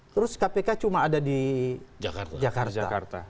terus kpk cuma ada di jakarta